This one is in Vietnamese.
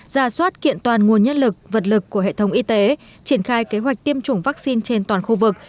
ra soát kiện toàn nguồn nhân lực vật lực của hệ thống y tế triển khai kế hoạch tiêm chủng vaccine trên toàn khu vực